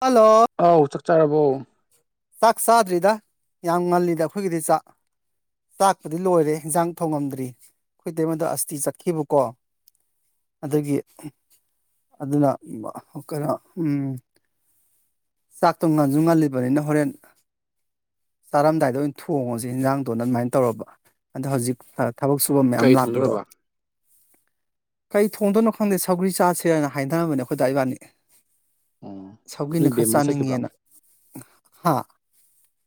Hello ꯑꯥꯎ ꯆꯥꯛ ꯆꯥꯔꯕꯣ ꯆꯥꯛ ꯆꯥꯗ꯭ꯔꯤꯗ ꯌꯥꯝ ꯉꯜꯂꯤꯗ ꯑꯩꯈꯣꯏꯒꯤꯗꯤ ꯆꯥꯛ꯫ ꯆꯥꯛꯄꯨꯗꯤ ꯂꯣꯏꯔꯦ ꯍꯤꯟꯖꯥꯡ ꯊꯣꯡꯉꯝꯗ꯭ꯔꯤ ꯈꯣꯏ ꯏꯇꯩꯃꯗꯣ ꯑꯁꯇꯤ ꯆꯠꯈꯤꯕꯀꯣ ꯑꯗꯒꯤ ꯑꯗꯨꯅ ꯀꯩꯅꯣ ꯆꯥꯛꯇꯣ ꯉꯥꯟꯖꯨ ꯉꯜꯂꯤꯕꯅꯤꯅ ꯍꯣꯔꯦꯟ ꯆꯥꯔꯝꯗꯥꯏꯗ ꯑꯣꯏꯅ ꯊꯣꯡꯉꯖꯦ ꯏꯟꯖꯥꯡꯗꯣꯅ ꯑꯗꯨꯃꯥꯏꯅ ꯇꯧꯔꯕ ꯑꯗꯣ ꯍꯧꯖꯤꯛ ꯊꯕꯛ ꯁꯨꯕ ꯃꯌꯥꯝ ꯀꯩ ꯂꯥꯛꯄꯗꯣ ꯊꯣꯡꯗꯣꯔꯕ [inaudible] ꯀꯩ ꯊꯣꯡꯗꯣꯏꯅꯣ ꯈꯪꯗꯦ ꯁꯧꯒꯔꯤ ꯆꯥꯁꯦꯅ ꯍꯥꯏꯅꯔꯝꯕꯅꯦ ꯑꯈꯣꯏꯗ ꯏꯕꯥꯅꯤ ꯁꯧꯒꯔꯤꯅ ꯈ ꯕꯦꯝꯃꯥ ꯆꯠꯈꯤꯕ꯭ꯔꯣ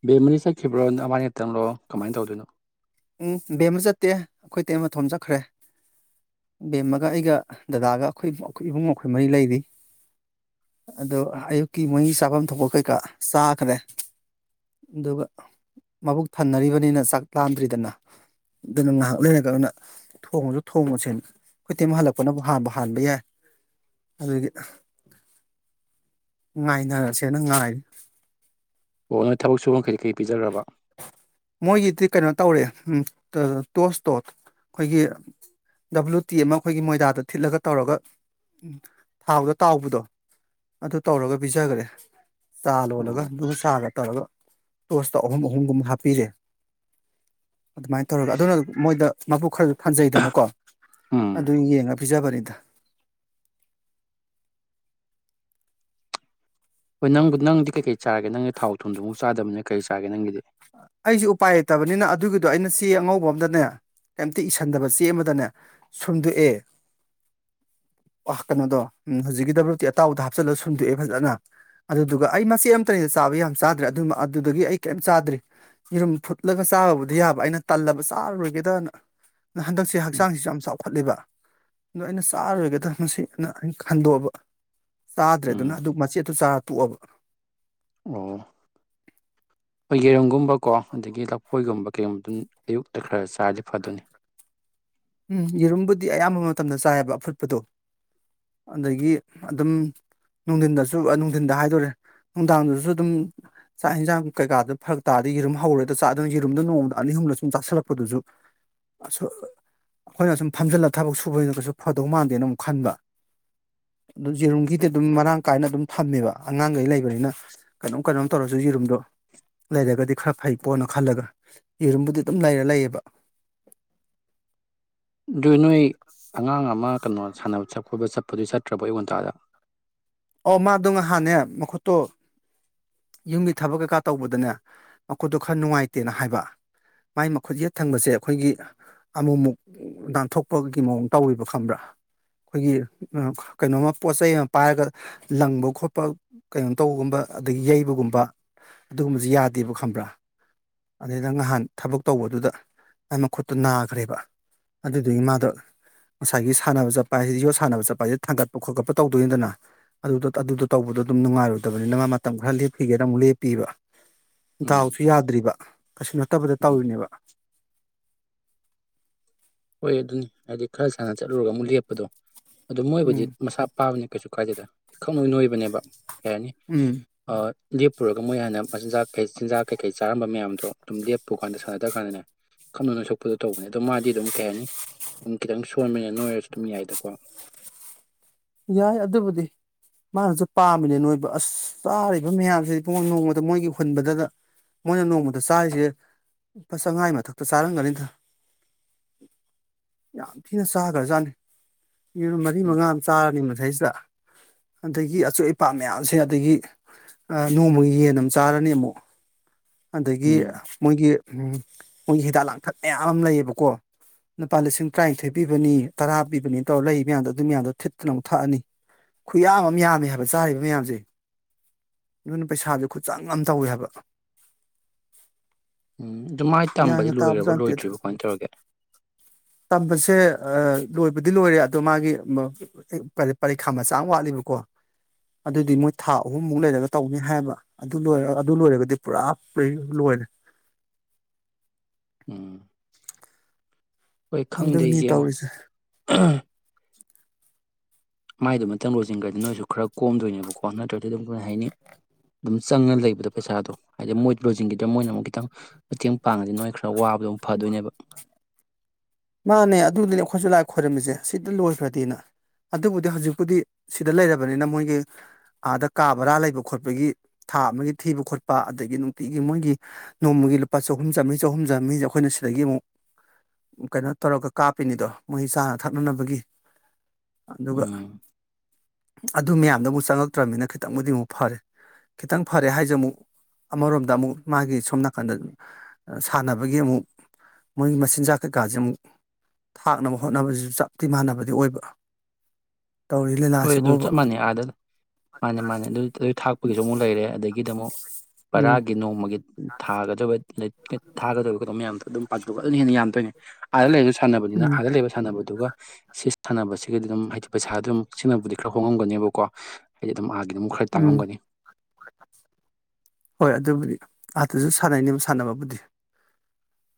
ꯕꯦꯝꯃꯗꯤ ꯆꯠꯈꯤꯕ꯭ꯔꯣ ꯅꯕꯥꯅꯤ ꯈꯛꯇꯪꯂꯣ ꯀꯃꯥꯏꯅ ꯇꯧꯗꯣꯏꯅꯣ ꯎꯝ ꯕꯦꯝꯃ ꯆꯠꯇꯦ ꯈꯣꯏ ꯇꯩꯃ ꯃꯇꯣꯝ ꯆꯠꯈ꯭ꯔꯦ ꯕꯦꯝꯃꯒ ꯑꯩꯒ ꯗꯗꯥꯒ ꯑꯈꯣꯏ ꯕꯣ ꯏꯕꯨꯡꯉꯣ ꯑꯩꯈꯣꯏ ꯃꯔꯤ ꯂꯩꯔꯤ ꯑꯗꯣ ꯑꯌꯨꯛꯀꯤ ꯃꯣꯏꯒꯤ ꯆꯥꯕꯝ ꯊꯣꯛꯄ ꯀꯩꯀꯥ ꯆꯥꯈ꯭ꯔꯦ ꯑꯗꯨꯒ ꯃꯕꯨꯛ ꯊꯟꯅꯔꯤꯕꯅꯤꯅ ꯆꯥꯛ ꯂꯥꯝꯗ꯭ꯔꯤ ꯗꯅ ꯗꯨꯅ ꯉꯥꯍꯥꯛ ꯂꯩꯔꯒꯅ ꯊꯣꯡꯉꯖꯨ ꯊꯣꯡꯉꯁꯦꯅ ꯈꯣꯏ ꯇꯩꯃ ꯍꯜꯂꯛꯄꯅꯕꯨ ꯍꯥꯟꯕꯨ ꯍꯥꯟꯕ ꯌꯥꯏ ꯑꯗꯨꯒꯤ ꯉꯥꯏꯅꯔꯁꯦꯅ ꯉꯥꯏꯔꯤ ꯑꯣ ꯅꯣꯏ ꯊꯕꯛ ꯁꯨꯕ ꯈꯩꯗꯤ ꯀꯩ ꯄꯤꯖꯈ꯭ꯔꯕ ꯃꯣꯏꯒꯤꯗꯤ ꯀꯩꯅꯣ ꯇꯧꯔꯦ ꯇꯣꯁꯇꯣ ꯑꯩꯈꯣꯏꯒꯤ ꯗꯕꯂꯨꯇꯤ ꯑꯃ ꯑꯈꯣꯏꯒꯤ ꯃꯣꯏꯗꯥꯗ ꯊꯤꯠꯂꯒ ꯇꯧꯔꯒ ꯊꯥꯎꯗ ꯇꯥꯎꯕꯗꯣ ꯑꯗꯨ ꯇꯧꯔꯒ ꯄꯤꯖꯈ꯭ꯔꯦ ꯆꯥ ꯂꯣꯜꯂꯒ ꯑꯣ ꯑꯗꯨ ꯆꯥꯒ ꯇꯧꯔꯒ ꯇꯣꯁꯇꯣ ꯑꯍꯨꯝ ꯑꯍꯨꯝꯒꯨꯝ ꯍꯥꯞꯄꯤꯔꯦ ꯑꯗꯨꯃꯥꯏ ꯇꯧꯔꯒ ꯑꯗꯨꯅ ꯃꯣꯏꯗ ꯃꯕꯨꯛ ꯈꯔ ꯖꯨ ꯊꯟꯖꯩꯗꯅꯀꯣ ꯑꯗꯨ ꯎꯝ ꯌꯦꯡꯉ ꯄꯤꯖꯕꯅꯤꯗ ꯍꯣꯏ ꯅꯪꯕꯨ ꯅꯪꯗꯤ ꯀꯩ ꯀꯩ ꯆꯥꯔꯒꯦ ꯅꯪꯒꯤ ꯊꯥꯎ ꯊꯨꯝꯗꯨꯃꯨꯛ ꯆꯥꯗꯝꯅꯤꯅ ꯀꯔꯤ ꯆꯥꯔꯒꯦ ꯅꯪꯒꯤꯗꯤ ꯑꯩꯖꯨ ꯎꯄꯥꯏ ꯂꯩꯇꯕꯅꯤꯅ ꯑꯗꯨꯒꯤꯗꯣ ꯑꯩꯅ ꯆꯦ ꯑꯉꯧꯕ ꯑꯝꯗꯅꯦ ꯀꯩꯝꯇ ꯏꯁꯟꯗꯕ ꯆꯦ ꯑꯃꯗꯅꯦ ꯁꯨꯝꯗꯣꯛꯑꯦ ꯑ ꯀꯩꯅꯣꯗꯣ ꯎꯝ ꯍꯧꯖꯤꯛꯀꯤ ꯗꯕꯂꯨꯇꯤ ꯑꯇꯥꯎꯗ ꯍꯥꯞꯆꯜꯂ ꯁꯨꯝꯗꯣꯛꯑꯦ ꯐꯖꯅ ꯑꯗꯨꯗꯨꯒ ꯑꯩ ꯃꯆꯦ ꯑꯝꯇꯅꯤꯗ ꯆꯥꯕ ꯌꯥꯝ ꯆꯥꯗ꯭ꯔꯦ ꯑꯗꯨ ꯑꯗꯨꯗꯒꯤ ꯑꯩ ꯀꯩꯏꯝ ꯆꯥꯗ꯭ꯔꯤ ꯌꯦꯔꯨꯝ ꯐꯨꯠꯂꯒ ꯆꯥꯕꯕꯨꯗꯤ ꯌꯥꯕ ꯑꯩꯅ ꯇꯜꯂꯕ ꯆꯥꯔꯔꯣꯏꯒꯗꯅ ꯍꯟꯗꯛꯁꯦ ꯎꯝ ꯍꯛꯆꯥꯡꯁꯤꯁꯨ ꯌꯥꯝ ꯆꯥꯎ ꯈꯠꯂꯤꯕ ꯑꯗꯣ ꯑꯩꯅ ꯆꯥꯔꯇꯧꯒꯦꯗ ꯃꯁꯤ ꯑꯅ ꯑꯩꯅ ꯈꯟꯗꯣꯛꯑꯕ ꯎꯝ ꯆꯥꯗ꯭ꯔꯦꯗꯨꯅ ꯑꯗꯨ ꯃꯆꯦꯠꯇꯨ ꯆꯥꯔ ꯇꯣꯛꯑꯕ ꯑꯣ ꯄ ꯌꯦꯔꯣꯒꯨꯝꯕ ꯀꯣ ꯑꯗꯒꯤ ꯂꯐꯣꯏꯒꯨꯝꯕ ꯀꯩꯒꯨꯝꯕꯗꯨ ꯑꯌꯨꯛꯇ ꯈꯔ ꯆꯥꯔꯗꯤ ꯐꯗꯨꯅꯤ ꯎꯝ ꯌꯦꯔꯨꯝꯕꯨꯗꯤ ꯑꯌꯥꯝꯕ ꯃꯇꯝꯗ ꯆꯥꯏꯑꯕ ꯑꯐꯨꯠꯄꯗꯣ ꯑꯗꯒꯤ ꯑꯗꯨꯝ ꯅꯨꯡꯊꯤꯟꯗꯁꯨ ꯅꯨꯡꯊꯤꯟꯗ ꯍꯥꯏꯗꯣꯔꯦ ꯅꯨꯡꯗꯥꯡꯗꯁꯨ ꯑꯗꯨꯝ꯫ ꯆꯥꯛ ꯌꯦꯟꯖꯥꯡ ꯀꯩꯀꯥꯗꯅ ꯐꯔꯛ ꯇꯥꯔꯗꯤ ꯌꯦꯔꯨꯝ ꯍꯧꯔꯥ ꯍꯦꯛꯇꯥ ꯆꯥꯗꯅ ꯌꯦꯔꯨꯝꯗ ꯅꯣꯡꯃꯗ ꯑꯅꯤ ꯑꯍꯨꯝꯂ ꯁꯨꯝ ꯆꯥꯁꯤꯜꯂꯛꯄꯗꯨꯁꯨ ꯑꯁ ꯑꯩꯈꯣꯏꯅ ꯁꯨꯝ ꯐꯝꯖꯤꯜꯂ ꯊꯕꯛ ꯁꯨꯕꯅꯤꯅ ꯀꯩꯁꯨ ꯐꯗꯧ ꯃꯥꯟꯗꯦꯅ ꯑꯃꯨꯛ ꯈꯟꯕ ꯑꯗꯨꯝ ꯌꯦꯔꯨꯝꯒꯤꯗꯤ ꯑꯗꯨꯝ ꯃꯔꯥꯡ ꯀꯥꯏꯅ ꯑꯗꯨꯝ ꯊꯝꯃꯦꯕ ꯑꯉꯥꯡꯈꯩ ꯂꯩꯕꯅꯤꯅ ꯀꯩꯅꯣꯝ ꯀꯩꯅꯣꯝ ꯇꯧꯔꯁꯨ ꯌꯦꯖꯤꯔꯨꯝꯗꯣ ꯂꯩꯔꯒꯗꯤ ꯈꯔ ꯐꯩꯀꯣꯅ ꯈꯜꯂꯒ ꯌꯦꯔꯨꯝꯕꯨꯗꯤ ꯑꯗꯨꯝ ꯂꯩꯔ ꯂꯩꯌꯦꯕ ꯑꯗꯨ ꯅꯣꯏ ꯑꯉꯥꯡ ꯑꯃ ꯀꯩꯅꯣ ꯁꯥꯟꯅꯕꯠ ꯈꯣꯠꯄ ꯆꯠꯄꯗꯨꯣ ꯆꯠꯇ꯭ꯔꯕꯣ ꯑꯩꯌꯨ ꯉꯟꯇꯥꯗ ꯑꯣ ꯃꯥꯗꯣ ꯉꯍꯥꯟꯅꯦ ꯃꯈꯨꯠꯇꯣ ꯌꯨꯝꯒꯤ ꯊꯕꯛ ꯀꯩꯀꯥ ꯇꯧꯕꯗꯅꯦ ꯃꯈꯣꯏꯗꯣ ꯈꯔ ꯅꯨꯡꯉꯥꯏꯇꯦꯅ ꯍꯥꯏꯕ ꯃꯥꯏ ꯃꯈꯨꯠ ꯌꯦꯠ ꯊꯪꯕꯁꯦ ꯑꯩꯈꯣꯏꯒꯤ ꯑꯃꯨꯛꯃꯨꯛ ꯅꯥꯟꯊꯣꯛꯄꯒꯤ ꯃꯑꯣꯡ ꯇꯧꯋꯕ ꯈꯪꯕ꯭ꯔꯥ ꯑꯩꯈꯣꯏꯒꯤ ꯀꯩꯅꯣꯃ ꯄꯣꯠ ꯆꯩꯩ ꯑꯃ ꯄꯥꯏꯔꯒ ꯂꯪꯕ ꯈꯣꯠꯄ ꯀꯩꯅꯣ ꯇꯧꯕꯒꯨꯝꯕ ꯑꯗꯒꯤ ꯌꯩꯕꯒꯨꯝꯕ ꯑꯗꯨꯒꯨꯝꯕꯁꯨ ꯌꯥꯗꯦꯕ ꯈꯪꯕ꯭ꯔꯥ ꯑꯗꯨꯗꯩꯗ ꯅꯍꯥꯟ ꯊꯕꯛ ꯇꯧꯕꯗꯨꯗ ꯑꯩ ꯃꯈꯨꯠꯇꯨ ꯅꯥꯈ꯭ꯔꯦꯕ ꯑꯗꯨꯗꯨꯒꯤ ꯃꯥꯥꯗꯣ ꯉꯁꯥꯏꯒꯤ ꯁꯥꯟꯅꯕ ꯆꯠꯄ ꯍꯥꯏꯁꯤꯗꯤ ꯌꯣꯠ ꯁꯥꯟꯅꯕ ꯆꯠꯄ ꯍꯥꯏꯁꯤꯗ ꯊꯥꯡꯒꯠꯄ ꯈꯣꯠꯀꯠꯄ ꯇꯧꯗꯣꯏꯅꯤꯗꯅ ꯑꯗꯨ ꯑꯗꯨꯗꯣ ꯇꯧꯕꯗꯣ ꯑꯗꯨꯝ ꯉꯥꯏꯔꯣꯏꯕꯅꯤ ꯅ ꯃꯇꯝ ꯈꯔ ꯂꯦꯞꯄꯤꯒꯦꯅ ꯑꯃꯨꯛ ꯂꯦꯞꯄꯤꯕ ꯎꯝ ꯗꯥꯎꯁꯨ ꯌꯥꯗ꯭ꯔꯤꯕ ꯀꯩꯁꯨ ꯅꯠꯇꯕꯗ ꯎꯝ ꯇꯧꯔꯤꯅꯦꯕ ꯍꯣꯏ ꯑꯗꯨꯅꯤ ꯍꯥꯏꯗꯤ ꯈꯔ ꯁꯥꯟꯅ ꯆꯠꯂꯨꯔꯒ ꯑꯃꯨꯛ ꯂꯦꯞꯄꯗꯣ ꯑꯗꯨ ꯃꯣꯏꯕꯨꯗꯤ ꯎꯝ ꯃꯁꯥ꯫ ꯄꯥꯕꯅꯦ ꯀꯩꯁꯨ ꯀꯥꯏꯗꯦꯗ ꯈꯪꯅꯣꯏ ꯅꯣꯏꯕꯅꯦꯕ ꯀꯩ ꯍꯥꯏꯅꯤ ꯎꯝ ꯂꯦꯞꯄꯨꯔꯒ ꯃꯣꯏ ꯍꯥꯟꯅ ꯃꯆꯤꯟꯖꯥꯛ ꯀꯩ ꯆꯤꯟꯖꯥꯛ ꯀꯩꯀꯩ ꯆꯥꯔꯝꯕ ꯃꯌꯥꯝꯗꯣ ꯑꯗꯨꯝ ꯂꯦꯞꯄꯨ ꯀꯥꯟꯗ ꯁꯥꯟꯅꯗ꯭ꯔ ꯀꯥꯟꯗꯅꯦ ꯈꯪꯅ ꯁꯣꯛꯄꯗꯣ ꯇꯧꯕꯅꯦ ꯑꯗꯣ ꯃꯥꯗꯤ ꯑꯗꯨꯝ ꯀꯩ ꯍꯥꯏꯅꯤ ꯑꯗꯨꯝ ꯈꯤꯇꯪ ꯁꯣꯟꯕꯟꯅ ꯅꯣꯏꯔꯁꯨ ꯑꯗꯨꯝ ꯌꯥꯏꯗꯀꯣ ꯌꯥꯏ ꯑꯗꯨꯕꯨꯗꯤ ꯃꯥꯅꯁꯨ ꯄꯥꯝꯃꯤꯅꯦ ꯅꯣꯏꯕ ꯑꯁ ꯇꯥꯔꯤꯕ ꯃꯌꯥꯝꯁꯤ ꯄ ꯅꯣꯡꯣꯡꯃꯗ ꯃꯣꯏꯒꯤ ꯍꯨꯟꯕꯗꯗ ꯃꯣꯏꯅ ꯅꯣꯡꯃꯗ ꯆꯥꯔꯤꯁꯦ ꯂꯨꯄꯥ ꯆꯥꯉꯥ ꯃꯊꯛꯇ ꯆꯥꯔꯝꯒꯅꯤꯗ ꯌꯥꯝ ꯊꯤꯅ ꯆꯥꯈ꯭ꯔꯖꯥꯠꯅꯤ ꯌꯦꯔ ꯃꯔꯤ ꯎꯝ ꯃꯉꯥ ꯆꯥꯔꯅꯤ ꯃꯩꯁꯤꯗ ꯑꯗꯒꯤ ꯑꯆꯣꯏ ꯑꯄꯥ ꯃꯌꯥꯝꯁꯦ ꯑꯗꯒꯤ ꯅꯣꯡꯃꯒꯤ ꯌꯦꯟ ꯑꯃ ꯆꯥꯔꯅꯤ ꯑꯃꯨꯛ ꯑꯗꯒꯤ ꯎꯝ ꯃꯣꯏꯒꯤ ꯃꯣꯏꯒꯤ ꯍꯤꯗꯥꯛ ꯂꯥꯡꯊꯛ ꯃꯌꯥꯝ ꯑꯃ ꯂꯩꯌꯦꯕꯀꯣ ꯂꯨꯄꯥ ꯂꯤꯁꯤꯡ ꯇꯔꯥꯅꯤꯊꯣꯏ ꯄꯤꯕꯅꯤ ꯇꯔꯥ ꯄꯤꯕꯅꯤꯅ ꯇꯧꯔ ꯂꯩ ꯃꯌꯥꯝꯗꯣ ꯑꯗꯨ ꯃꯌꯥꯝꯗꯣ ꯊꯤꯠ ꯀꯩꯅꯣꯝꯛ ꯊꯛꯑꯅꯤ ꯈꯨꯌꯥ ꯑꯃ ꯌꯥꯝꯃꯦ ꯍꯥꯏꯕ ꯆꯥꯔꯤꯕ ꯃꯌꯥꯝꯁꯦ ꯅꯣꯏꯅ ꯄꯩꯁꯥꯥꯁꯦ ꯈꯨꯠꯆꯥꯡ ꯌꯥꯝ ꯇꯧꯋꯦ ꯍꯥꯏꯕ ꯎꯝ ꯑꯗꯨ ꯃꯥꯏꯅ ꯇꯝꯕꯗꯤ ꯒ꯭ꯌꯥꯟꯒ ꯂꯣꯏꯈ꯭ꯔꯕꯣ ꯇꯥꯕꯖꯥꯠ ꯅꯠꯇꯦꯗ ꯂꯣꯏꯗ꯭ꯔꯤꯕꯣ ꯀꯃꯥꯏꯅ ꯇꯧꯔꯒꯦ ꯇꯝꯕꯁꯦ ꯂꯣꯏꯕꯗꯤ ꯂꯣꯏꯔꯦ ꯑꯗꯣ ꯃꯥꯒꯤ ꯄꯔꯤꯈꯥ ꯃꯆꯥ ꯋꯥꯠꯂꯤꯕꯀꯣ ꯑꯗꯨꯗꯤ ꯃꯣꯏ ꯊꯥ ꯑꯍꯨꯝꯃꯨꯛ ꯂꯩꯔꯒ ꯇꯧꯅꯤ ꯍꯥꯏꯕ ꯑꯗꯨ ꯂꯣꯏꯔ ꯑꯗꯨ ꯂꯣꯏꯔꯒꯗꯤ ꯄꯨꯔꯥ ꯂꯣꯏꯔꯦ ꯎꯝ ꯑꯩꯣꯏ ꯈꯪꯗꯦ ꯑꯗꯨꯅꯤ ꯌꯦꯡꯉꯣ ꯇꯧꯔꯤꯁꯦ ꯃꯥꯏꯗꯨꯃꯇꯪ ꯂꯣꯏꯁꯤꯟꯈ꯭ꯔꯗꯤ ꯅꯣꯏꯁꯨ ꯈꯔ ꯀꯣꯝꯗꯣꯏꯅꯦꯕꯀꯣ ꯅꯠꯇ꯭ꯔꯒꯗꯤ ꯑꯗꯨꯝ ꯀꯔꯤ ꯍꯥꯏꯅꯤꯩ ꯑꯗꯨꯝ ꯆꯪꯉ ꯂꯩꯕꯗꯣ ꯄꯩꯁꯥꯗꯣ ꯍꯥꯏꯗꯤ ꯃꯣꯏ ꯂꯣꯏꯟꯈꯤꯗ꯭ꯔꯥ ꯃꯣꯏꯅ ꯑꯃꯨꯛ ꯈꯤꯇꯪ ꯃꯇꯦꯡ ꯄꯥꯡꯉꯗꯤ ꯅꯣꯏ ꯈꯔ ꯋꯥꯕꯗꯣꯝ ꯐꯗꯣꯏꯅꯦꯕ ꯃꯥꯅꯦ ꯑꯗꯨꯗꯨꯅꯦ ꯑꯩꯈꯣꯏꯁꯨ ꯂꯥꯏ ꯈꯣꯏꯔꯝꯃꯤꯁꯦ ꯁꯤꯗ ꯂꯣꯏꯈ꯭ꯔꯗꯤꯅ꯫ ꯑꯗꯨꯕꯨꯗꯤ ꯍꯧꯖꯤꯛꯄꯨꯗꯤ ꯁꯤꯗ ꯂꯩꯔꯕꯅꯤꯅ ꯃꯣꯏꯒꯤ ꯑꯥꯗ ꯀꯥ ꯕꯔꯥ ꯂꯩꯕ ꯈꯣꯠꯄꯒꯤ ꯊꯥ ꯑꯃꯒꯤ ꯊꯤꯕ ꯈꯣꯠꯄ ꯑꯗꯒꯤ ꯅꯨꯡꯇꯤꯒꯤ ꯃꯣꯏꯒꯤ ꯅꯣꯡꯃꯒꯤ ꯂꯨꯄꯥ ꯆꯍꯨꯝ ꯆꯥꯝꯃꯔꯤ ꯆꯍꯨꯝ ꯆꯥꯝꯅꯤꯁꯦ ꯑꯩꯈꯣꯏꯅ ꯁꯤꯗꯒꯤ ꯑꯃꯨꯛ ꯀꯩꯅꯣ ꯇꯧꯔꯒ ꯀꯥꯞꯄꯤꯅꯤꯗꯣ ꯃꯣꯏ ꯆꯥꯅ ꯊꯛꯅꯅꯕꯒꯤ ꯑꯗꯨꯒ ꯎꯝ ꯑꯗꯨ ꯃꯌꯥꯝꯗꯨ ꯑꯃꯨꯛ ꯆꯪꯉꯛꯇ꯭ꯔꯕꯅꯤꯅ ꯈꯤꯇꯪꯕꯨꯗꯤ ꯑꯃꯨꯛ ꯐꯔꯦ ꯈꯤꯇꯪ ꯐꯔꯦ ꯍꯥꯏꯁꯦ ꯑꯃꯨꯛ ꯑꯃꯔꯣꯝꯗ ꯑꯃꯨꯛ ꯃꯥꯒꯤ ꯁꯣꯝ ꯅꯥꯀꯟꯗ ꯑꯥ ꯁꯥꯟꯅꯕꯒꯤ ꯑꯃꯨꯛ ꯃꯣꯏ ꯃꯆꯤꯟꯖꯥꯛ ꯀꯩꯀꯥꯁꯦ ꯑꯃꯨꯛ ꯊꯥꯛꯅꯕ ꯍꯣꯠꯅꯕꯁꯤꯁꯨ ꯆꯞꯇꯤ ꯃꯥꯟꯅꯕꯗꯤ ꯑꯣꯏꯕ꯫ ꯇꯧꯔꯤ ꯍꯣꯏ ꯑꯗꯨ ꯂꯤꯂꯥꯁꯤꯕꯣꯕ ꯆꯞ ꯃꯥꯟꯅꯩ ꯑꯥꯗ ꯃꯥꯅꯦ ꯃꯥꯅꯦ ꯑꯗꯨ ꯑꯗꯨ ꯊꯥꯛꯄꯒꯤꯁꯨ ꯑꯃꯨꯛ ꯂꯩꯔꯦ ꯑꯗꯒꯤꯗꯤ ꯑꯃꯨꯛ ꯎꯝ ꯕꯔꯥꯒꯤ ꯅꯣꯡꯃꯒꯤ ꯊꯥꯗꯁꯨ ꯠ ꯊꯥꯒꯗꯣꯏꯔꯤꯕ ꯀꯩꯅ‌ꯣ ꯃꯌꯥꯝꯗꯣ ꯑꯗꯨꯝ ꯄꯥꯊꯣꯛꯑꯒ ꯑꯗꯨꯅ ꯍꯦꯟꯅ ꯌꯥꯝꯗꯣꯏꯅꯦ ꯑꯥꯗ ꯂꯩꯔ ꯁꯥꯟꯅꯕꯅꯤꯅ ꯎꯝ ꯑꯥꯗ ꯂꯩꯕ ꯁꯥꯟꯅꯕꯗꯨꯒ ꯁꯤ ꯁꯥꯟꯅꯕꯁꯤꯒꯗꯤ ꯑꯗꯨꯝ ꯍꯥꯏꯗꯤ ꯄꯩꯁꯥꯗꯨ ꯑꯗꯨꯝ ꯁꯤꯡꯅꯕꯨꯗꯤ ꯈꯔ ꯍꯣꯡꯉꯝꯒꯅꯦꯕꯀꯣ ꯍꯥꯏꯗꯤ ꯑꯗꯨꯝ ꯑꯥꯒꯤ ꯅꯃꯨꯛ ꯈꯔ ꯎꯝ ꯇꯥꯡꯉꯝꯒꯅꯤ꯫ ꯍꯣꯏ ꯑꯗꯨꯕꯨꯗꯤ ꯑꯗꯥꯁꯨ ꯁꯥꯟꯅꯩꯅꯦꯕ ꯁꯥꯟꯅꯕꯕꯨꯗꯤ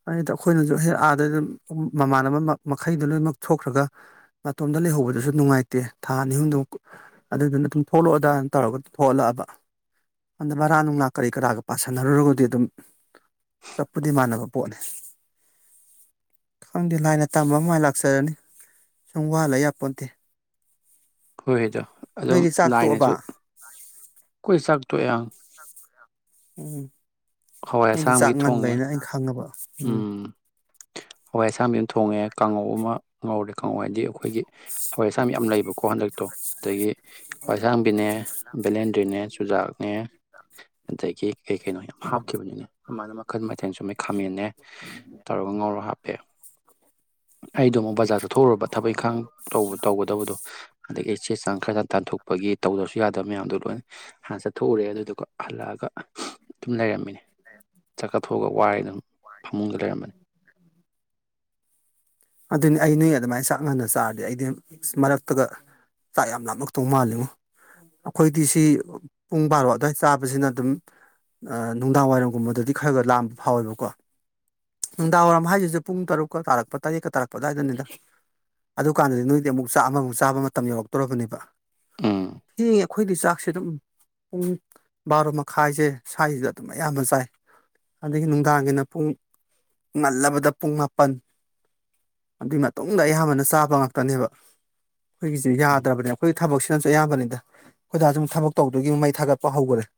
ꯃꯥꯅ‌ꯦꯗ ꯑꯩꯈꯣꯏꯅꯁꯨ ꯍꯦꯛ ꯑꯥꯗ ꯑꯗꯨꯝ ꯃꯃꯥꯟꯅꯕ ꯃꯈꯩꯗꯣ ꯂꯣꯏꯅꯃꯛ ꯊꯣꯛꯈ꯭ꯔꯒ ꯃꯇꯣꯝꯗ ꯂꯩꯍꯧꯕꯗꯁꯨ ꯅꯨꯡꯉꯥꯏꯇꯦ ꯊꯥ ꯑꯅꯤ ꯍꯨꯝꯗꯨ ꯃꯨꯛ ꯑꯗꯨꯗꯨꯅ ꯑꯗꯨꯝ ꯊꯣꯛꯂꯛꯑꯣꯗꯥꯅ ꯇꯧꯔꯒ ꯑꯗꯨꯝ ꯊꯣꯛꯍꯜꯂꯛꯑꯕ ꯑꯟꯗ ꯚꯔꯥ ꯅꯨꯡꯂ ꯀꯔꯤ ꯀꯔꯒ ꯄꯥꯁꯟꯅꯔꯨꯔꯒꯗꯤ ꯑꯗꯨꯝ ꯆꯞꯄꯨꯗꯤ ꯃꯥꯟꯅꯕ ꯄꯣꯠꯅꯤ ꯈꯪꯗꯦ ꯂꯥꯏꯅ ꯇꯝꯕ ꯑꯃ ꯃꯥꯏꯅ ꯂꯥꯛꯆꯔꯅꯤ ꯁꯨꯝ ꯋꯥ ꯂꯩ ꯌꯥꯄꯣꯟꯇ‌ꯦ ꯍꯣꯏ ꯑꯗꯨ ꯑꯗꯨꯝ ꯅꯣꯏꯗꯤ ꯆꯥꯛ ꯇꯣꯛꯑꯕ ꯂꯥꯏꯅꯁꯨ ꯑꯩꯈꯣꯏ ꯆꯥꯛꯇꯣꯛꯌ‌ꯦ ꯎꯝ ꯍꯋꯥꯏ ꯅꯪꯗꯤ ꯑꯁꯥꯡꯕꯤ ꯆꯥꯛ ꯊꯣꯡꯉꯦ ꯉꯟꯕꯅꯤꯅ ꯑꯩꯅ ꯈꯪꯉꯕ ꯎꯝ ꯎꯝ ꯍꯋꯥꯏ ꯑꯁꯥꯡꯕꯤ ꯑꯃ ꯊꯣꯡꯉꯦ ꯀꯥꯡꯉꯧ ꯑꯃ ꯉꯧꯔꯦ ꯀꯥꯡꯉꯧ ꯍꯥꯏꯗꯤ ꯑꯩꯈꯣꯏꯒꯤ ꯍꯋꯥꯏ ꯑꯁꯥꯡꯕꯤ ꯌꯥꯝ ꯂꯩꯕꯀꯣ ꯍꯟꯗꯛꯇꯣ ꯑꯗꯒꯤ ꯍꯋꯥꯏꯁꯥꯡꯕꯤꯅꯦ ꯕꯦꯂꯦꯟꯗ꯭ꯔꯤꯅꯦ ꯆꯨꯖꯥꯛꯅꯦ ꯑꯗꯒꯤ ꯀꯩ ꯀꯩꯅꯣ ꯌꯥꯝ ꯍꯥꯞꯈꯤꯕꯅꯤꯅꯦ ꯑꯗꯨ ꯃꯥꯏꯅ ꯃꯈꯟ ꯃꯊꯦꯜ ꯁꯨꯃꯩ ꯈꯥꯃꯦꯟꯅꯦ ꯇꯧꯔꯒ ꯉꯧꯔꯒ ꯍꯥꯞꯄꯦ ꯑꯩꯗ‌ꯣ ꯑꯃꯨꯛ ꯕꯖꯥꯔ ꯆꯠ ꯊꯣꯛꯎꯨꯔꯕ ꯊꯕꯛ ꯏꯪꯈꯥꯡ ꯇꯧꯕ ꯇꯧꯒꯗꯕꯗꯣ ꯑꯗꯒꯤ ꯆꯦ ꯆꯥꯡ ꯈꯔꯒ ꯇꯥꯟꯊꯣꯛꯄꯒꯤ ꯇꯧꯗ꯭ꯔꯁꯨ ꯌꯥꯗꯕ ꯃꯌꯥꯝꯗꯣ ꯂꯣꯏꯅ ꯍꯥꯟꯅ ꯆꯠꯊꯣꯛꯎꯔꯦ ꯑꯗꯨꯗꯨꯒ ꯍꯜꯂꯛꯑꯒ ꯑꯗꯨꯝ ꯂꯩꯔꯝꯃꯤꯅꯦ ꯆꯥꯛ ꯆꯥꯊꯣꯛꯑꯒ ꯋꯥꯔ‌ꯦꯅ ꯐꯃꯨꯡꯗ ꯂꯩꯔꯝ ꯑꯗꯨꯅꯤ ꯑꯩ ꯅꯣꯏ ꯑꯗꯨꯃꯥꯏꯅ ꯆꯥꯛ ꯉꯟꯅ ꯆꯥꯔꯗꯤ ꯑꯩꯗꯤ ꯃꯔꯛꯇꯒ ꯆꯥꯛ ꯌꯥꯝ ꯂꯥꯞꯃꯛꯇꯧ ꯃꯥꯜꯂꯤꯉꯣ ꯑꯩꯈꯣꯏꯗꯤ ꯁꯤ ꯄꯨꯡ ꯕꯥꯔꯣ ꯑꯗꯨꯋꯥꯏ ꯆꯥꯕꯁꯤꯅ ꯑꯗꯨꯝ ꯑꯥ ꯅꯨꯡꯗꯥꯡ ꯋꯥꯏꯔꯝꯒꯨꯝꯕꯗꯗꯤ ꯈꯔ ꯈꯔ ꯂꯥꯝꯕ ꯐꯥꯎꯋꯦꯕꯀꯣ ꯫ ꯅꯨꯡꯗꯥꯡꯋꯥꯏꯔꯝ ꯍꯥꯏꯁꯤꯁꯨ ꯄꯨꯡ ꯇꯔꯨꯛꯀ ꯇꯥꯔꯛꯄ ꯇꯔꯦꯠꯀ ꯇꯥꯔꯛꯄ ꯑꯗꯨꯋꯥꯏꯗꯅꯤꯗ ꯑꯗꯨꯀꯥꯟꯗꯗꯤ ꯅꯣꯏꯗꯤ ꯑꯃꯨꯛ ꯆꯥꯛ ꯑꯃꯃꯨꯛ ꯆꯥꯕ ꯃꯇꯝ ꯌꯧꯔꯛꯇꯣꯔꯕꯅꯦꯕ ꯎꯝ ꯊꯦꯡꯉꯦ ꯑꯩꯈꯣꯏꯗꯤ ꯆꯥꯛꯁꯦ ꯑꯗꯨꯝ ꯄꯨꯡ ꯕꯥꯔꯣ ꯃꯈꯥꯏꯁꯦ ꯁꯋꯥꯏꯁꯤꯗ ꯑꯗꯨꯝ ꯑꯌꯥꯝꯕꯅ ꯆꯥꯏ ꯑꯗꯒꯤ ꯅꯨꯡꯗꯥꯡꯒꯤꯅ ꯄꯨꯡ ꯉꯜꯂꯕꯗ ꯄꯨꯡ ꯃꯥꯄꯟ ꯑꯗꯨꯏ ꯃꯇꯨꯡꯗ ꯑꯌꯥꯝꯕꯅ ꯆꯥꯕ ꯉꯥꯛꯇꯅꯦꯕ ꯑꯩꯈꯣꯏꯒꯤꯁ‌ꯦ ꯌꯥꯗ꯭ꯔꯕꯅꯦ ꯑꯩꯈꯣꯏꯒꯤ ꯊꯕꯛꯁꯤꯅꯁꯨ ꯑꯌꯥꯝꯕꯅꯤꯗ ꯑꯩꯈꯣꯏ ꯗꯥꯁꯨ ꯑꯃꯨꯛ ꯊꯕꯛ ꯇꯧꯗꯧꯒꯤ ꯑꯃꯨꯛ ꯃꯩ ꯊꯥꯒꯠꯄ ꯍꯧꯈꯔꯦ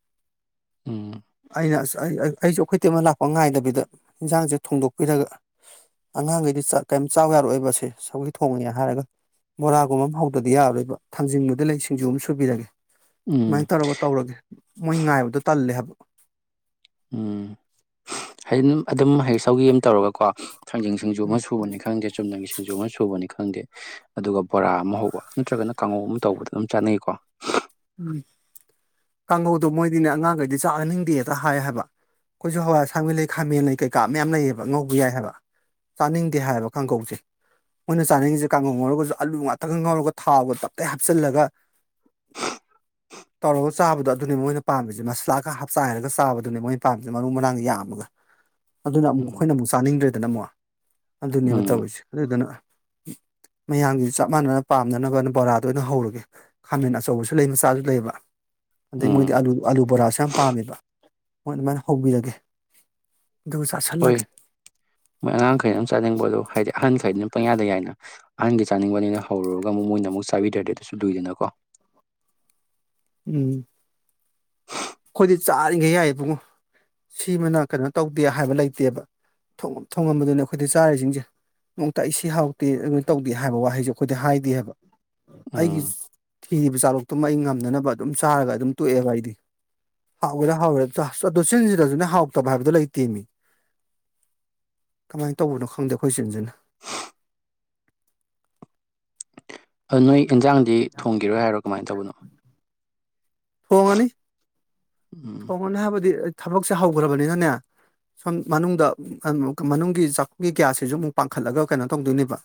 ꯎꯝ ꯑꯩꯅ ꯑꯁ ꯑꯩꯁꯨ ꯑꯩꯈꯣꯏ ꯆ‌ꯦ ꯃ‌ꯣꯏ ꯂꯥꯛꯄ ꯉꯥꯏꯗꯕꯤꯗ ꯏꯟꯖꯥꯡꯁꯦ ꯊꯣꯡꯗꯣꯛꯄꯤꯔꯒ ꯑꯉꯥꯡꯈꯩꯗꯤ ꯆꯥ ꯀꯩꯝ ꯆꯥꯎ ꯌꯥꯔꯛꯑꯣꯏꯕꯁꯦ ꯁꯧꯒꯔꯤ ꯊꯣꯡꯉꯦ ꯍꯥꯏꯔꯒ ꯕꯣꯔꯥꯒꯨꯝꯕ ꯑꯃ ꯍꯧꯗꯔꯗꯤ ꯌꯥꯔꯔꯣꯏꯕ ꯊꯥꯡꯖꯤꯡꯕꯨꯗꯤ ꯂꯩ ꯁꯤꯡꯖꯨ ꯑꯃ ꯁꯨꯕꯤꯔꯒꯦ ꯎꯝ ꯁꯨꯃꯥꯏꯅ ꯇꯧꯔꯒ ꯇꯧꯔꯒꯦ ꯃꯣꯏ ꯉꯥꯏꯕꯗꯣ ꯇꯜꯂꯦ ꯍꯥꯏꯕ ꯎꯝ ꯍꯩꯗꯤ ꯑꯗꯨꯝ ꯑꯗꯨꯝ ꯍꯩ ꯁꯧꯒꯔꯤ ꯑꯃ ꯇꯧꯔꯒꯀꯣ ꯊꯥꯡꯖꯤꯡ ꯁꯤꯡꯖꯨ ꯑꯃ ꯁꯨꯕꯅꯤ ꯈꯪꯗꯦ ꯆꯨꯝꯅꯒꯤ ꯁꯤꯡꯖꯨ ꯑꯃ ꯁꯨꯕꯅꯤ ꯈꯪꯗꯦ ꯑꯗꯨꯒ ꯕꯣꯔꯥ ꯑꯃ ꯍꯧ ꯅꯠꯇ꯭ꯔꯒꯅ ꯀꯥꯡꯉꯧ ꯑꯃ ꯇꯧꯕꯗ ꯑꯗꯨꯝ ꯆꯥꯅꯩꯀꯣ ꯎꯝ ꯀꯥꯡꯍꯧꯗꯣ ꯃꯣꯏꯗꯤꯅꯦ ꯑꯉꯥꯡꯈꯩꯗꯤ ꯆꯥꯅꯤꯡꯗꯦꯇ ꯍꯥꯏ ꯍꯥꯏꯕ ꯑꯩꯈꯣꯏꯁꯨ ꯍꯋꯥꯏꯁꯥꯡꯕꯤ ꯂꯩ ꯈꯥꯃꯦꯟ ꯂꯩ ꯀꯩꯀꯥ ꯃꯌꯥꯝ ꯂꯩꯌꯦꯕ ꯉꯧꯒ‌ꯦ ꯌꯥꯏ ꯍꯥꯏꯕ ꯆꯥꯅꯤꯡꯗꯦ ꯍꯥꯏꯌ‌ꯦꯕ ꯀꯥꯡꯒꯧꯁꯦ ꯃꯣꯏꯅ ꯆꯥꯅꯤꯡꯉꯤꯁꯦ ꯀꯥꯡꯒꯣꯡ ꯉꯧꯔꯒꯁꯨ ꯑꯥꯂꯨ ꯉꯥꯛꯇꯒ ꯉꯥꯎꯔꯒ ꯊꯥꯕꯒ ꯇꯞꯇꯩꯞꯆꯜꯂꯒ ꯇꯧꯔꯒ ꯆꯥꯕꯗꯣ ꯑꯗꯨꯅꯦ ꯃꯣꯏꯅ ꯄꯥꯝꯃꯤꯁꯦ ꯃꯁꯂꯥꯒ ꯍꯥꯞꯆꯥꯏꯔꯒ ꯆꯥꯕꯗꯨꯅꯦ ꯃꯣꯏꯅ ꯄꯥꯝꯃꯤꯁꯦ ꯃꯔꯨ ꯃꯔꯥꯡ ꯌꯥꯝꯃꯒ ꯑꯗꯨꯅ ꯑꯃꯨꯛ ꯎꯝ ꯑꯩꯈꯣꯏꯅ ꯑꯃꯨꯛ ꯆꯥꯅꯤꯡꯗ꯭ꯔꯦꯗꯅ ꯑꯃꯨꯛ ꯑꯗꯨꯅꯦꯕ ꯎꯝ ꯇꯧꯔꯤꯁꯦ ꯑꯗꯨꯗꯨꯅ ꯃꯌꯥꯝꯒꯤꯁꯨ ꯆꯞ ꯃꯥꯟꯅꯅ ꯄꯥꯝꯅꯅꯕ ꯕꯣꯔꯥꯗ ꯑꯣꯏꯅ ꯍꯧꯔꯒꯦ ꯈꯥꯃꯦꯟ ꯑꯆꯧꯕꯁꯤ ꯈꯨꯂꯩ ꯃꯆꯥꯁꯨ ꯂꯩꯕ ꯑꯗꯩ ꯃꯣꯏꯗꯤ ꯎꯝ ꯑꯥꯂꯨ ꯑꯥꯂꯨ ꯕꯣꯔꯥꯁꯨ ꯌꯥꯝ ꯄꯥꯝꯃꯦꯕ ꯃꯣꯏ ꯑꯗꯨꯃꯥꯏꯅ ꯍꯧꯕꯤꯔꯒꯦ ꯑꯗꯨꯒ ꯆꯥꯥꯁꯜꯂꯒꯦ ꯍꯣꯏ ꯃꯣꯏ ꯑꯉꯥꯡꯈꯩꯅ ꯑꯗꯨꯝ ꯆꯥꯅꯤꯡꯕꯗꯣ ꯍꯥꯏꯗꯤ ꯑꯍꯟꯈꯩꯩꯅ ꯑꯗꯨꯝ ꯄꯨꯡꯌꯥꯗ ꯌꯥꯏꯅ ꯑꯍꯟꯒꯤ ꯆꯥꯅꯤꯡꯕꯅꯤꯅ ꯍꯧꯔꯨꯔꯒ ꯑꯃꯨꯛ ꯃꯣꯏꯅ ꯑꯃꯨꯛ ꯆꯥꯕꯤꯗ꯭ꯔꯗꯤ ꯑꯗꯨꯁꯨꯨꯏꯗꯅꯀꯣ ꯫ ꯎꯝ ꯑꯩꯈꯣꯏꯗꯤ ꯆꯥꯔꯤꯈꯩ ꯌꯥꯏꯌꯦꯕꯨꯡꯉꯣ ꯁꯤꯃꯅ ꯀꯩꯅꯣ ꯇꯧꯗꯦ ꯍꯥꯏꯕ ꯂꯩꯇꯦꯕ ꯊꯣꯡꯉꯝꯕꯗꯨꯅꯦ ꯑꯩꯈꯣꯏꯗ ꯆꯥꯔꯤꯁꯤꯡꯁꯦ ꯅꯣꯡꯇꯏꯁꯤ ꯍꯥꯎꯇꯦ ꯑꯗꯨꯃꯥꯏꯅ ꯇꯧꯗꯦ ꯍꯥꯏꯕ ꯋꯥꯍꯩꯁꯨꯦ ꯑꯩꯈꯣꯏꯗꯤ ꯍꯥꯏꯗꯦ ꯍꯥꯏꯕ ꯑꯩꯒꯤ ꯎꯝ ꯊꯤꯔꯤꯕ ꯆꯥꯔꯣꯛꯇꯨꯃ ꯑꯩ ꯉꯝꯅꯅꯕ ꯑꯗꯨꯝ ꯆꯥꯔꯒ ꯑꯗꯨꯝ ꯇꯣꯛꯑꯦꯕ ꯑꯩꯗꯤ ꯍꯥꯎꯒꯦꯔꯥ ꯍꯥꯎꯋꯦꯔ ꯑꯗꯨ ꯆꯤꯟꯁꯤꯗꯁꯨꯅꯦ ꯍꯥꯎꯇꯕ ꯍꯥꯏꯕꯗꯨꯣ ꯂꯩꯇꯦꯟꯃꯤ ꯀꯃꯥꯏꯅ ꯇꯧꯕꯅꯣ ꯈꯪꯗꯦ ꯑꯩꯈꯣꯏ ꯆꯦꯟꯁꯤꯅ ꯑ ꯅꯣꯏ ꯏꯟꯖꯥꯡꯗꯤ ꯊꯣꯡꯈꯤꯔꯣꯏ ꯍꯥꯏꯔꯣ ꯀꯃꯥꯏꯅ ꯇꯧꯕꯅꯣ ꯊꯣꯡꯉꯅꯤ ꯎꯝ ꯍꯣꯅꯦ ꯍꯥꯏꯕꯗꯤ ꯊꯕꯛꯁꯦ ꯍꯧꯈ꯭ꯔꯕꯅꯤꯅꯅꯦ ꯁꯣꯝ ꯃꯅꯨꯡꯗ ꯃꯅꯨꯡꯒꯤ ꯆꯥꯛꯒꯤ ꯀꯌꯥꯁꯤꯁꯨ ꯑꯃꯨꯛ ꯄꯥꯡꯈꯠꯂꯒ ꯀꯩꯅꯣ ꯇꯧꯗꯣꯏꯅꯦꯕ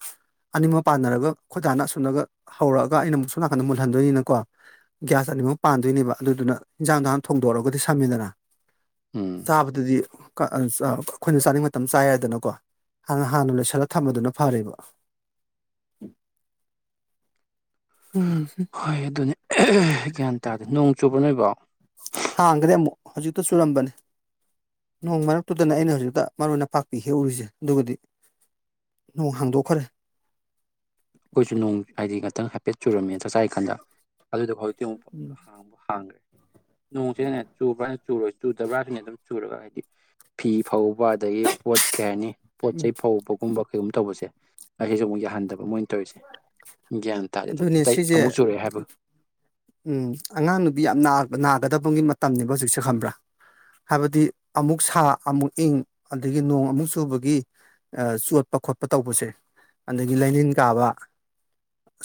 ꯑꯅꯤꯃꯛ ꯄꯥꯟꯅꯔꯒ ꯈꯣꯏꯗꯥꯥꯅ ꯑꯁꯨꯝꯅꯒ ꯍꯧꯔꯛꯑꯒ ꯑꯩꯅ ꯑꯃꯨꯛ ꯁꯣꯝ ꯅꯥꯀꯟꯗ ꯃꯨꯜꯍꯟꯗꯣꯏꯅꯤꯅꯀꯣ ꯒ꯭ꯌꯥꯁ ꯑꯅꯤꯃꯛ ꯄꯥꯟꯗꯣꯏꯅꯦꯕ ꯑꯗꯨꯅ ꯏꯟꯖꯥꯡꯗ ꯍꯥꯟ ꯊꯣꯡꯗꯣꯔꯑꯒꯗꯤ ꯁꯝꯃꯤꯗꯅ ꯎꯝ ꯆꯥꯕꯗꯗꯤ ꯑꯩꯈꯣꯏꯅ ꯆꯥꯅꯤꯡꯕ ꯃꯇꯝ ꯆꯥꯏꯔꯦꯗꯅꯀꯣ ꯍꯥꯟꯅ ꯍꯥꯟꯅ ꯂꯩꯣꯏꯁꯜꯂꯒ ꯊꯝꯕꯗꯨꯅ ꯐꯔꯦꯕ ꯎꯝ ꯍꯣꯏ ꯑꯗꯨꯅꯦ ꯒ꯭ꯌꯥꯟ ꯇꯥꯗꯦ ꯅꯣꯡ ꯆꯨꯕ ꯅꯣꯏꯕꯣ ꯍꯥꯡꯒ꯭ꯔꯦ ꯑꯃꯨꯛ ꯍꯧꯖꯤꯛꯇ ꯆꯨꯔꯝꯕꯅꯦ ꯅꯣꯡ ꯑꯩꯈꯣꯏꯁꯨ ꯃꯔꯛꯇꯨꯗꯅ ꯑꯩꯅ ꯍꯧꯖꯤꯛꯇ ꯃꯔꯨ ꯑꯣꯏꯅ ꯐ ꯄꯤꯍꯦꯧꯔꯤꯁꯦ ꯑꯗꯨꯒꯗꯤ ꯅꯣꯡ ꯍꯥꯡꯗꯣꯛꯈꯔꯦ ꯑꯩꯈꯣꯏꯁꯨ ꯅꯣꯡ ꯍꯥꯏꯗꯤ ꯉꯥꯛꯇꯪ ꯍꯥꯏꯐꯦꯠ ꯆꯨꯔꯝꯃꯦꯅ ꯆꯥꯛ ꯆꯥꯏꯔꯤ ꯀꯥꯟꯗ ꯑꯗꯨꯗꯐ ꯎꯝ ꯍꯥꯡ ꯅꯣꯡꯁꯤ ꯆꯨꯕ꯭ꯔꯥ ꯆꯨꯔ ꯆꯨꯗꯕ꯭ꯔꯥ ꯁꯤꯅꯦ ꯑꯗꯨꯝ ꯆꯨꯔꯒ ꯍꯥꯏꯗꯤ ꯐꯤ ꯐꯧꯕ ꯑꯗꯒꯤ ꯄꯣꯠ ꯀꯩ ꯍꯥꯏꯅꯤ ꯄꯣꯠ ꯆꯩ ꯐꯧꯕꯒꯨꯝꯕ ꯀꯩꯒꯨꯝꯕ ꯇꯧꯕꯁꯦ ꯑꯁꯤꯁꯨ ꯑꯃꯨꯛ ꯌꯥꯍꯟꯗꯕ ꯃꯣꯏ ꯇꯧꯔꯤꯁꯦ ꯒ꯭ꯌꯥꯟ ꯇꯥꯥꯁꯦ ꯑꯗꯨꯝ ꯑꯗꯨꯅꯦ ꯆꯩ ꯁꯤꯁꯦ ꯑꯃꯨꯛ ꯆꯨꯔꯛꯑꯦ ꯍꯥꯏꯕ ꯎꯝ ꯑꯉꯥꯡ ꯅꯨꯕꯤ ꯌꯥꯝ ꯅꯥꯒꯗꯕꯒꯤ ꯃꯇꯝꯅꯤꯅꯦꯕ ꯍꯧꯖꯤꯛꯁꯦ ꯈꯪꯕ꯭ꯔꯥ ꯫ ꯍꯥꯏꯕꯗꯤ ꯑꯃꯨꯛ ꯁꯥ ꯑꯃꯨꯛ ꯏꯪ ꯑꯗꯒꯤ ꯅꯣꯡ ꯑꯃꯨꯛ ꯆꯨꯕꯒꯤ ꯆꯣꯠꯄ ꯈꯣꯠꯄ ꯇꯧꯕꯁꯦ ꯑꯗꯒꯤ ꯂꯥꯏꯅꯤꯡꯟ ꯀꯥꯕ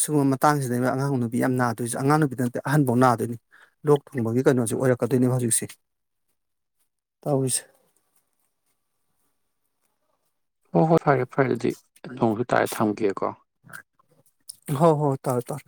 ꯁꯤꯒꯨꯝꯕ ꯃꯇꯥꯡꯁꯤꯗꯩꯈꯣꯏ ꯑꯉꯥꯡ ꯅꯨꯄꯤ ꯌꯥꯝ ꯅꯥꯗꯣꯏꯁꯨ ꯑꯉꯥꯡ ꯅꯨꯄꯤ ꯅꯠꯇꯦ ꯑꯍꯟꯐꯧ ꯅꯥꯗꯣꯏꯅꯤ ꯂꯣꯛ ꯊꯨꯡꯕꯒꯤ ꯀꯩꯅꯣꯁꯤ ꯑꯣꯏꯔꯛꯀꯗꯣꯏꯅꯦꯕ ꯍꯧꯖꯤꯛꯁꯦ ꯇꯧꯔꯤꯁꯦ ꯍꯣ ꯍꯣꯏ ꯐꯔꯦ ꯐꯔꯦ ꯑꯗꯨꯗꯤ ꯅꯣꯡꯁꯨ ꯇꯥꯔꯦ ꯊꯝꯒꯦꯀꯣ ꯍ ꯍꯣ ꯇꯥꯔ ꯇꯥꯔ